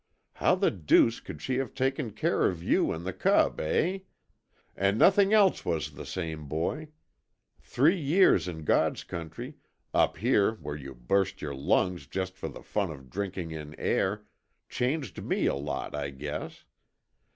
How the deuce could she have taken care of you and the cub, eh? And nothing else was the same, Boy. Three years in God's Country up here where you burst your lungs just for the fun of drinking in air changed me a lot, I guess.